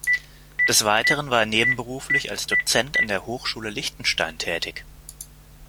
Des Weiteren war er nebenberuflich als Dozent an der Hochschule Liechtenstein tätig.